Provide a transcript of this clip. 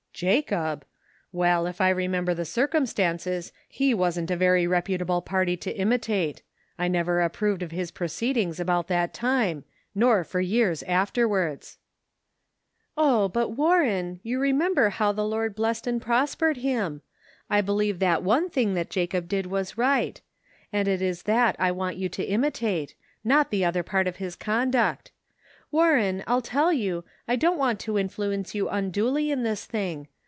" "Jacob! well if I remember the circum stances he wasn't a very reputable party to imitate ; I never approved of his proceedings about that time, nor for years afterwards." " Oh but Warren, you remember how the Lord blessed and prospered him. I believe that one thing that Jacob did was right ; and it is that I want you to imitate, not the other part of his conduct. Warren, I'll tell you, I don't want to influence you unduly in this thing.